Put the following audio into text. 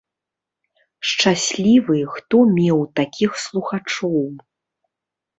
Шчаслівы, хто меў такіх слухачоў.